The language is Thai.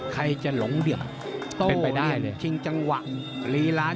ใครจะหลงเดี่ยวที่เป็นไปได้